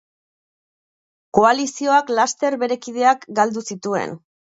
Koalizioak laster bere kideak galdu zituen.